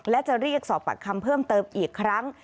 และจะเรียกสอบปากคำเพิ่มเติมอีกครั้ง